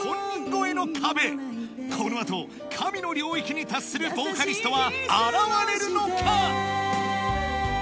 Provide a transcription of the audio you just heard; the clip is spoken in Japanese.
この後神の領域に達するボーカリストは現れるのか？